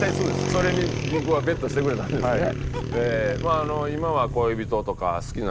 それに銀行はベットしてくれたんですね。